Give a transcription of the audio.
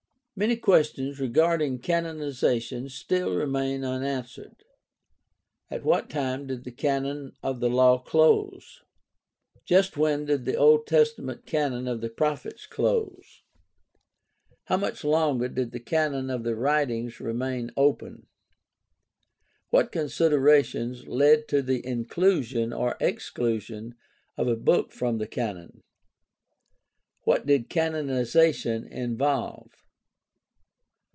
— Many questions regarding canonization still remain unanswered. At what time did the Canon of the Law close ? Just when did the OLD TESTAMENT AND RELIGION OF ISRAEL 145 Canon of the Prophets close ? How much longer did the Canon of the Writings remain open ? What considerations led to the inclusion or exclusion of a book from the Canon ? What did canonization involve?